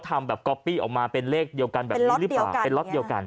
ทำแบบก๊อปปี้ออกมาเป็นเลขเดียวกันแบบนี้หรือเปล่าเป็นล็อตเดียวกัน